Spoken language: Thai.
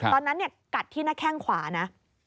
ตอนนั้นกัดที่หน้าแข้งขวานะ